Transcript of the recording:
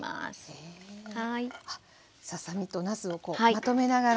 ささ身となすをまとめながら。